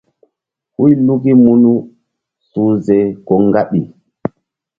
Huy luki munu uhze ko ŋgaɓi.